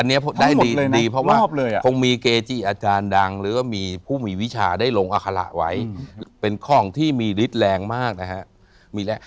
อันนี้ได้ดีเพราะว่าคงมีเกจิอาจารย์ดังหรือว่ามีผู้มีวิชาได้ลงอาคาระไว้เป็นของที่มีฤทธิ์แรงมากนะฮะ